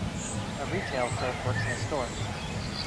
A retail clerk works in a store.